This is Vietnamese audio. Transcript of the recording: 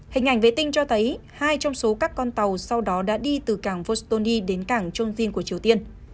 hình ảnh vệ tinh cho thấy hai trong số các con tàu sau đó đã đi từ cảng vostony đến cảng chuông jin của triều tiên